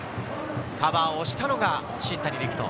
カバーをしたのが新谷陸斗。